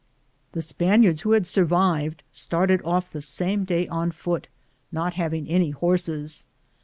The Spaniards who survived started off the same day on foot, not having any horses.